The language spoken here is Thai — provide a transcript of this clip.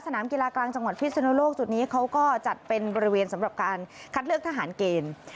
สนามกีฬากลางจังหวัดพิศนุโลกจุดนี้เขาก็จัดเป็นบริเวณสำหรับการคัดเลือกทหารเกณฑ์